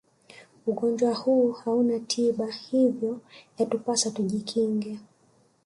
ugonjwa huu hauna tiba hivyo yatupasa tujikinge